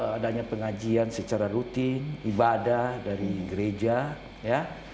adanya pengajian secara rutin ibadah dari gereja ya